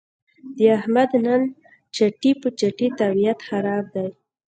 د احمد نن چټي په چټي طبیعت خراب دی.